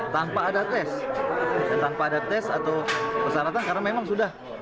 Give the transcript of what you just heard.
tanpa ada tes atau persyaratan karena memang sudah